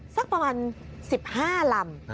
สักประมาณ๑๕ลำ